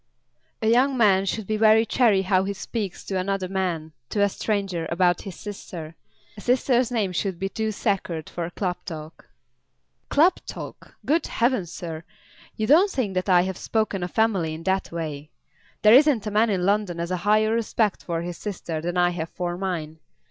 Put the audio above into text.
"A young man should be very chary how he speaks to another man, to a stranger, about his sister. A sister's name should be too sacred for club talk." "Club talk! Good heavens, sir; you don't think that I have spoken of Emily in that way? There isn't a man in London has a higher respect for his sister than I have for mine.